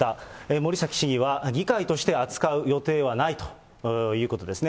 森崎市議は議会として扱う予定はないということですね。